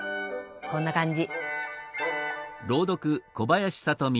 こんな感じ。